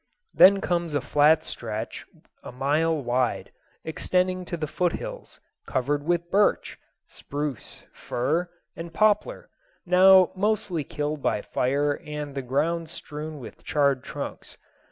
Then comes a flat stretch a mile wide, extending to the foothills, covered with birch, spruce, fir, and poplar, now mostly killed by fire and the ground strewn with charred trunks.